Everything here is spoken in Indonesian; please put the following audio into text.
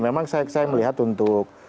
memang saya melihat untuk